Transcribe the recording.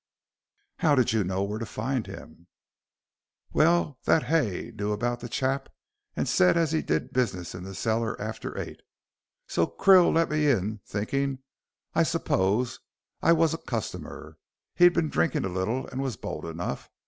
"How did you know where to find him?" "Why, that Hay knew about the chap, and said as he did business in a cellar after eight. So Krill let me in, thinking, I 'spose, I wos a customer. He'd been drinking a little and was bold enough.